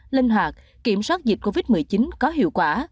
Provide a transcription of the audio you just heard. linh hoạt kiểm soát dịch covid một mươi chín có hiệu quả